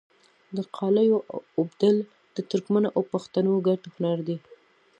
د قالیو اوبدل د ترکمنو او پښتنو ګډ هنر دی.